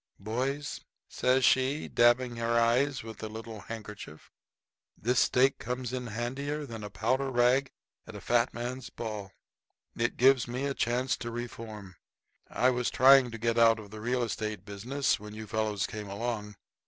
] "Boys," says she, dabbing her eyes with a little handkerchief, "this stake comes in handier than a powder rag at a fat men's ball. It gives me a chance to reform. I was trying to get out of the real estate business when you fellows came along.